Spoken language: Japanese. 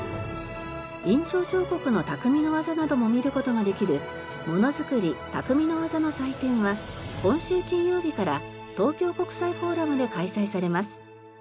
印章彫刻の匠の技なども見る事ができるものづくり・匠の技の祭典は今週金曜日から東京国際フォーラムで開催されます。